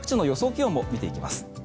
気温を見ていきます。